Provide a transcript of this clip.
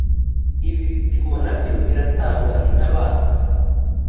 ibi bipimo nabyo biratanga intabaza